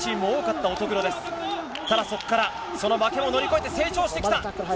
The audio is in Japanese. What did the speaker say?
ただ、そこから負けを乗り越えて成長してきた。